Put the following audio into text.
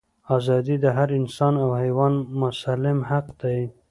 ازادي د هر انسان او حیوان مسلم حق دی.